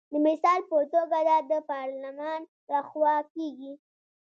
د مثال په توګه دا د پارلمان لخوا کیږي.